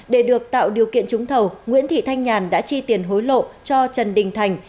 để được tạo điều kiện trúng thầu nguyễn thị thanh nhàn đã chi tiền hối lộ cho trần đình thành